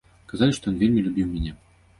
Казалі, што ён вельмі любіў мяне.